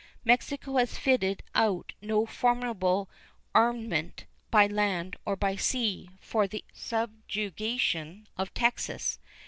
Mexico has fitted out no formidable armament by land or by sea for the subjugation of Texas.